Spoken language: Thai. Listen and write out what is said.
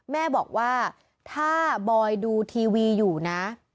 แม่บอกว่าถ้าบอยดูทีวีอยู่นะ